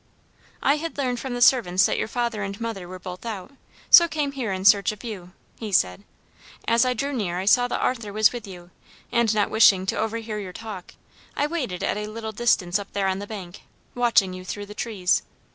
"I had learned from the servants that your father and mother were both out, so came here in search of you," he said. "As I drew near I saw that Arthur was with you, and not wishing to overhear your talk, I waited at a little distance up there on the bank, watching you through the trees.